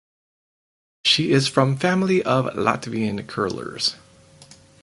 She is from family of Latvian curlers.